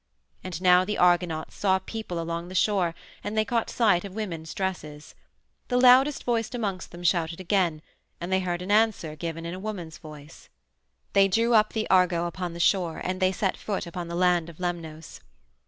And now the Argonauts saw people along the shore and they caught sight of women's dresses. The loudest voiced amongst them shouted again, and they heard an answer given in a woman's voice. They drew up the Argo upon the shore, and they set foot upon the land of Lemnos.